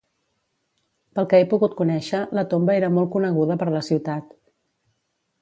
Pel que he pogut conèixer, la tomba era molt coneguda per la ciutat.